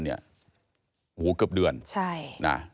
เกือบเดือน